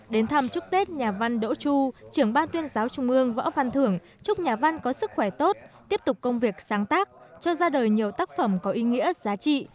đến thăm chúc tết nhà văn đỗ chu trưởng ban tuyên giáo trung ương võ văn thưởng chúc nhà văn có sức khỏe tốt tiếp tục công việc sáng tác cho ra đời nhiều tác phẩm có ý nghĩa giá trị